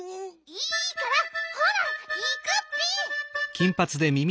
いいからほらいくッピ！